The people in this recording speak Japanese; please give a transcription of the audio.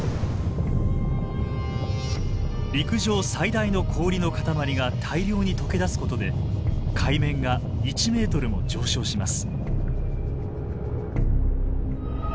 陸上最大の氷の塊が大量に解け出すことで海面が１ｍも上昇します。